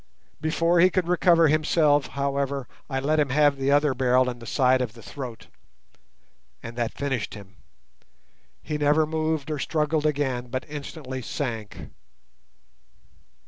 Before he could recover himself, however, I let him have the other barrel in the side of the throat, and that finished him. He never moved or struggled again, but instantly sank.